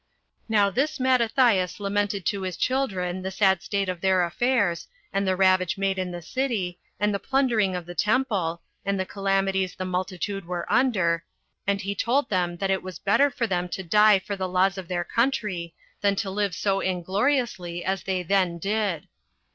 Now this Mattathias lamented to his children the sad state of their affairs, and the ravage made in the city, and the plundering of the temple, and the calamities the multitude were under; and he told them that it was better for them to die for the laws of their country, than to live so ingloriously as they then did.